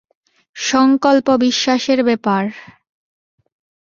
সঙ্কল্প বিশ্বাসের ব্যাপার।